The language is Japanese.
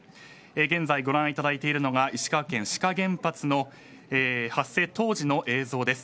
現在ご覧いただいているのが石川県志賀原発の発生当時の映像です。